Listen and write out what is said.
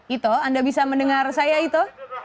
itu anda bisa mendengar saya itu